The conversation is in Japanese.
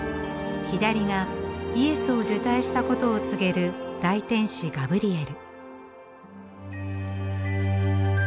左がイエスを受胎したことを告げる大天使ガブリエル。